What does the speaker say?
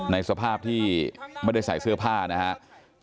ในสภาพที่ไม่ได้ใส่เสื้อผ้านะครับ